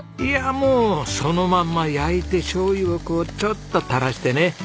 いやもうそのまんま焼いてしょうゆをこうちょっと垂らしてね